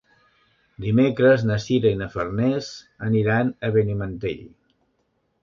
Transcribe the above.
Dimecres na Sira i na Farners aniran a Benimantell.